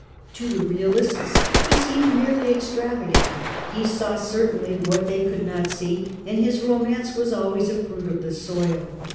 To the realists he seemed merely extravagant; he saw certainly what they could not see; and his romance was always a fruit of the soil.